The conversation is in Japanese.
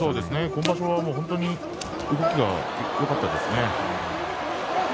今場所は本当に動きがよかったですね。